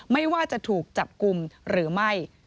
ไม่ว่าจะถูกจับกลุ่มหรือไม่